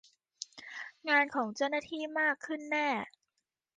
งานของเจ้าหน้าที่มากขึ้นแน่